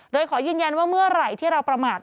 โดยขอยืนยันว่าเมื่อไหร่ที่เราประมาท